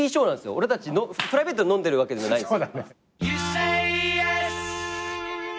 俺たちプライベートで飲んでるわけじゃないっす。